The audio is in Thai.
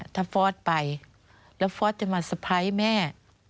ถ้าฟ้อไปแล้วฟ้อจะมาสะพ้ายแม่